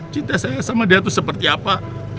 cinta saya sama dia tuh seperti apa